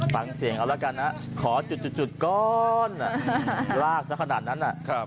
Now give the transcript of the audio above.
ฟังเสียงเอาละกันนะขอจุดก่อนลากสักขนาดนั้น